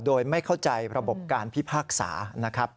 โดยไม่เข้าใจระบบการพิพากษานะครับ